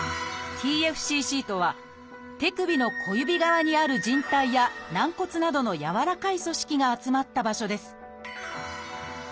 「ＴＦＣＣ」とは手指の小指側にある靭帯や軟骨などの軟らかい組織が集まった場所です。